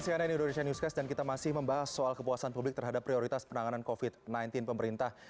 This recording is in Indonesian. cnn indonesia newscast dan kita masih membahas soal kepuasan publik terhadap prioritas penanganan covid sembilan belas pemerintah